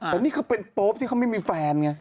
แต่นี่คือเป็นโป๊ปที่เขาไม่มีแฟนไง